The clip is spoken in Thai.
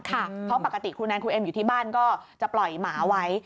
เพราะปกติครูแนนครูเอ็มอยู่ที่บ้านก็จะปล่อยหมาไว้